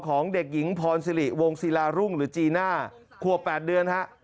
ของเด็กหญิงพรสิริวงศิลารุ่งหรือจีน่าขวบ๘เดือนฮะ